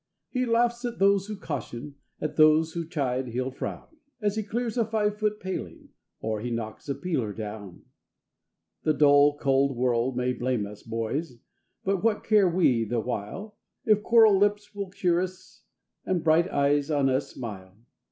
He laughs at those who caution, at those who chide he'll frown, As he clears a five foot paling, or he knocks a peeler down. The dull, cold world may blame us, boys! but what care we the while, If coral lips will cheer us, and bright eyes on us smile?